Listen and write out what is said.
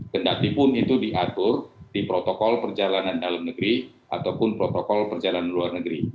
kendatipun itu diatur di protokol perjalanan dalam negeri ataupun protokol perjalanan luar negeri